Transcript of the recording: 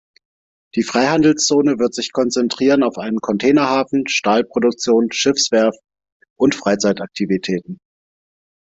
Die Freihandelszone wird sich konzentrieren auf einen Containerhafen, Stahlproduktion, Schiffswerft und Freizeitaktivitäten.